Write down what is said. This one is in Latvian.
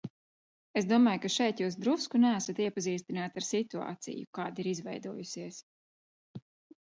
Es domāju, ka šeit jūs drusku neesat iepazīstināti ar situāciju, kāda ir izveidojusies.